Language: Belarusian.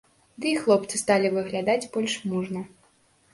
Ды і хлопцы сталі выглядаць больш мужна.